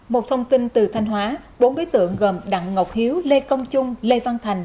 một thông tin từ thanh hóa bốn đối tượng gồm đặng ngọc hiếu lê công trung lê văn thành